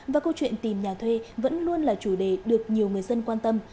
và câu chuyện tìm nhà thuê vẫn luôn là chủ đề được nhiều người dân quan tâm